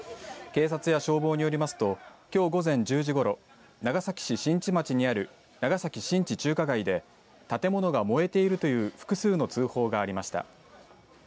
警察や消防によりますときょう午前１０時ごろ長崎市新地町にある長崎新地中華街で建物が燃えているという複数の通報がありました。